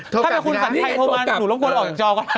ถ้าเป็นคุณสัญชัยโทรมาหนูรับควรออกจอก่อน